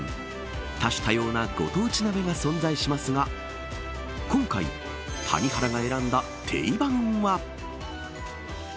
多種多様なご当地鍋が存在しますが今回、谷原が選んだ定番は。